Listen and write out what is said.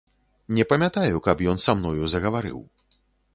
Не памятаю, каб ён са мною загаварыў.